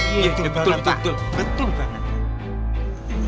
iya betul betul betul